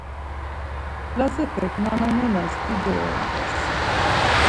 Lazepek nananenas dido oromt̆es.